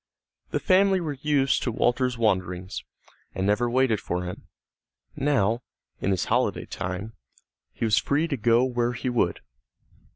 The family were used to Walter's wanderings, and never waited for him. Now, in his holiday time, he was free to go where he would.